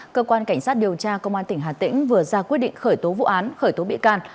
cơ quan cảnh sát điều tra công an tỉnh hà tĩnh vừa ra quyết định khởi tố vụ án khởi tố bị can